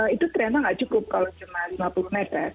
itu ternyata nggak cukup kalau cuma lima puluh meter